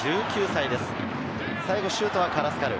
最後シュートはカラスカル。